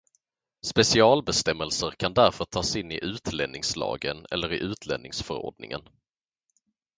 Specialbestämmelser kan därför tas in i utlänningslagen eller i utlänningsförordningen.